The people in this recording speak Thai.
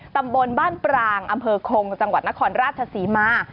ตำบลบ้านปรางอำเภอคงจังหวัดนครราชศรีมา